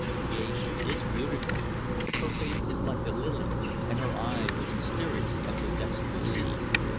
"Yea, she is beautiful. Her face is like the lily, and her eyes as mysterious as the depths of the sea.